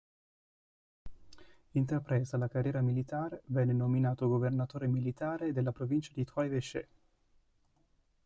Intrapresa la carriera militare, venne nominato governatore militare della provincia di Trois-Évêchés.